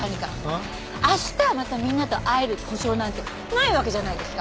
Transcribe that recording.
明日またみんなと会える保証なんてないわけじゃないですか。